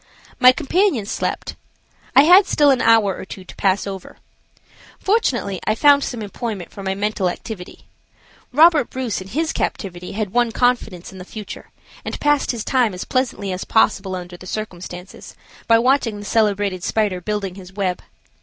My companion slept. I had still an hour or two to pass over. Fortunately I found some employment for my mental activity. Robert Bruce in his captivity had won confidence in the future, and passed his time as pleasantly as possible under the circumstances, by watching the celebrated spider building his web.